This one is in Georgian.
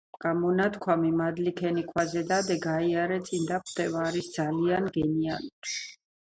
გამონათქვამი ''მადლი ქენი ქვაზე დადე გაიარე წინ დაგხვდება'' არის ძალიან გენიალური